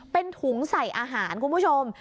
เป็นถุงใส่อาหารคุณผู้ชม